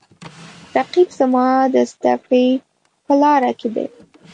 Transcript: رقیب زما د زده کړې په لاره کې دی